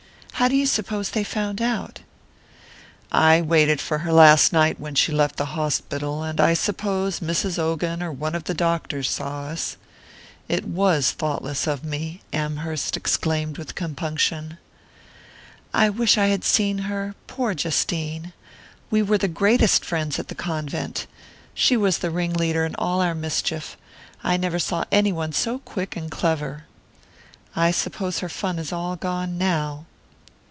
How do you suppose they found out?" "I waited for her last night when she left the hospital, and I suppose Mrs. Ogan or one of the doctors saw us. It was thoughtless of me," Amherst exclaimed with compunction. "I wish I had seen her poor Justine! We were the greatest friends at the convent. She was the ringleader in all our mischief I never saw any one so quick and clever. I suppose her fun is all gone now."